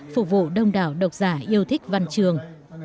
phục vụ đông đảo độc giả yêu thích văn trường